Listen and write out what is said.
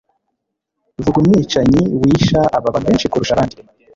Vuga Umwicanyi wisha abantu benshi kurusha abandi?